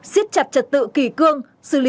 xích chặt trật tự kỳ cương xử lý